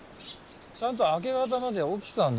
ちゃんと明け方まで起きてたんだから。